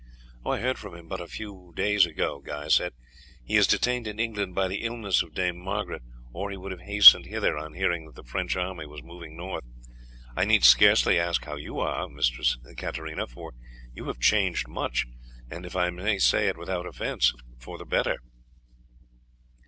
"I heard from him but a few days ago," Guy said. "He is detained in England by the illness of Dame Margaret, or he would have hastened hither on hearing that the French army was moving north. I need scarcely ask how you are, Mistress Katarina, for you have changed much, and if I may say it without offence, for the better."